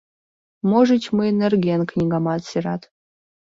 Можыч, мыйын нерген книгамат серат.